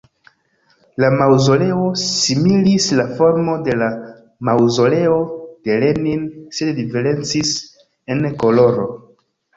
La maŭzoleo similis la formo de la Maŭzoleo de Lenin sed diferencis en koloro.